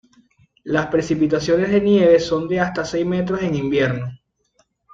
Las precipitaciones de nieve son de hasta seis metros en invierno.